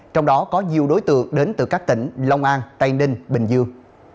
trong đó có nhiều đối tượng đến từ các tỉnh long an tây ninh bình dương